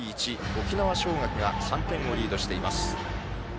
沖縄尚学が３点をリードしています。